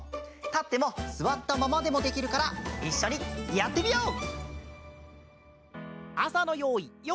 たってもすわったままでもできるからいっしょにやってみよう！